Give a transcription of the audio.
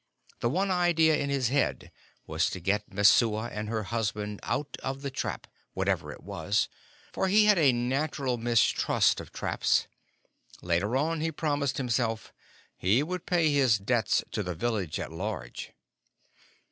The one idea in his head was to get Messua and her husband out of the trap, whatever it was; for he had a natural mistrust of traps. Later on, he promised himself, he would pay his debts to the village at large.